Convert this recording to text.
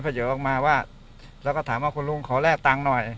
เยอออกมาว่าแล้วก็ถามว่าคุณลุงขอแลกตังค์หน่อย